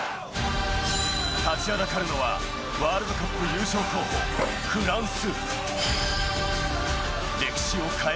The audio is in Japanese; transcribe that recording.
立ちはだかるのは、ワールドカップ優勝候補・フランス。